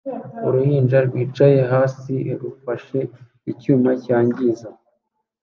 Uruhinja rwicaye hasi rufashe icyuma cyangiza